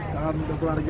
salam untuk keluarga